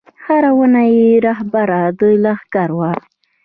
هره ونه یې رهبره د لښکر وه